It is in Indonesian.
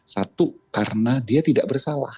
satu karena dia tidak bersalah